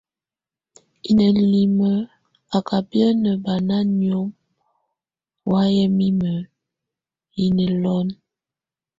Iŋenelime a ka biəne bana niomo ɔwayɛ mime yɛ nɛlɔnɔ.